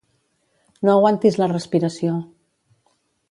No aguantis la respiració.